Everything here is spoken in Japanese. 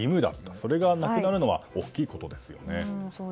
それがなくなるのは大きいことですよね。